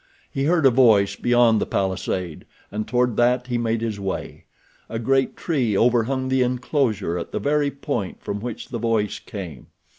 He heard a voice beyond the palisade and toward that he made his way. A great tree overhung the enclosure at the very point from which the voice came.